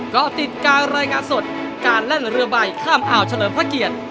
ก็ติดการรายงานสดการแล่นเรือใบข้ามอ่าวเฉลิมพระเกียรติ